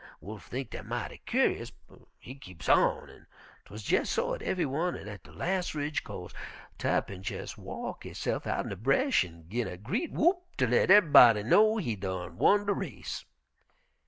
Wolf think dat mighty cur'ous, but he keep on, an' 'twuz jesso at ev'y one, an' at de las' ridge co'se Tarr'pin jes' walk hisse'f outen de bresh an' gin a gre't whoop ter let ev'yb'dy know he done won de race.